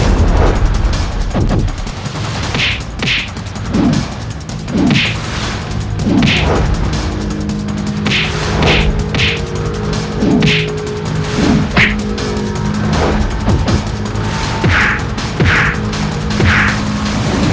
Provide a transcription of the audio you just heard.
lebih mudah untukku mengatur halamurni